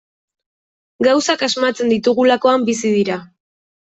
Gauzak asmatzen ditugulakoan bizi dira.